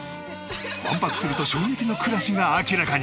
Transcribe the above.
１泊すると衝撃の暮らしが明らかに。